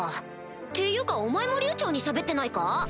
っていうかお前も流暢にしゃべってないか？